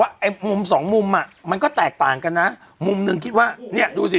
ไอ้มุมสองมุมอ่ะมันก็แตกต่างกันนะมุมหนึ่งคิดว่าเนี่ยดูสิ